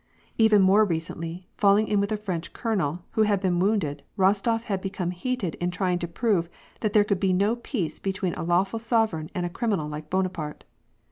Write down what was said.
Even more recently, falling in with a French colonel, who had been wounded, Eostof had become heated in trying to prove that there could be no peace between a lawful sovereign and a criminal like Bonaparte.